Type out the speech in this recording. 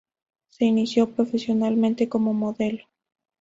Se inició profesionalmente como modelo.